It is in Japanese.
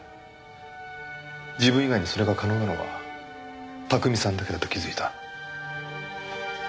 自分以外にそれが可能なのは巧さんだけだと気づいた。